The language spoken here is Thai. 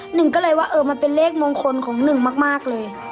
หนึ่งก็เลยว่าเออมันเป็นเลขมงคลของหนึ่งมากเลย